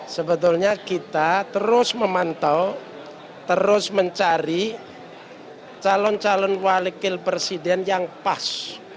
sebetulnya kita terus memantau terus mencari calon calon wakil presiden yang pas